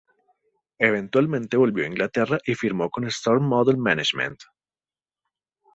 Eventualmente volvió a Inglaterra y firmó con Storm Model Management.